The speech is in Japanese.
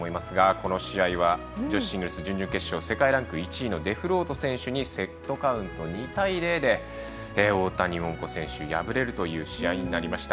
この試合は女子シングルス準々決勝世界ランク１位のデフロート選手にセットカウント２対０で大谷桃子選手、敗れるという試合になりました。